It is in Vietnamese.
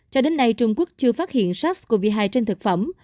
cho đến nay trung quốc chưa phát hiện sars cov hai trên thực phẩm